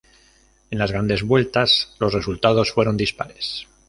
En las Grandes Vueltas los resultados fueron dispares.